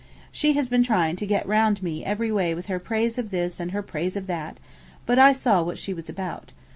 She has been trying to get round me every way with her praise of this and her praise of that; but I saw what she was about.